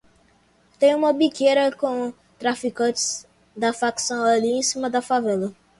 Tem uma biqueira com traficantes da facção ali em cima na favela